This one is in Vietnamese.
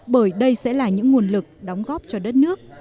bởi đây sẽ là những nguồn lực đóng góp cho đất nước